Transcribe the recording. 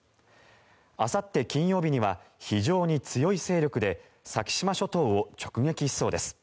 あさって金曜日には非常に強い勢力で先島諸島を直撃しそうです。